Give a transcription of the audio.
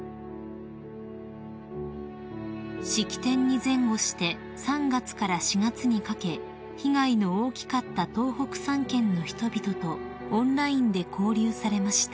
［式典に前後して３月から４月にかけ被害の大きかった東北３県の人々とオンラインで交流されました］